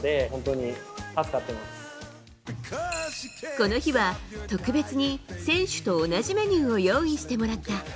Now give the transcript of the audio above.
この日は、特別に選手と同じメニューを用意してもらった。